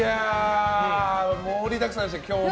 盛りだくさんでした今日も。